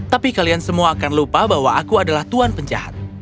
tapi kalian semua akan lupa bahwa aku adalah tuan penjahat